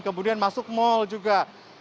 kemudian masuk mal juga